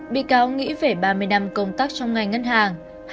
bị cáo nghĩ về ba mươi năm công tác trong ngành ngân hàng